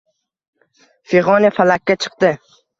Fig‘oni falakka chiqdi.